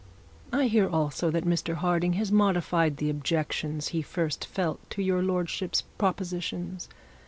I hear also that Mr Harding has modified his objections he first felt to your lordship's propositions.